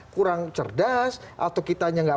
kurang cerdas atau kitanya nggak